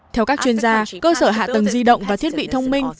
theo các chuyên gia cơ sở hạ tầng di động và thiết bị thông minh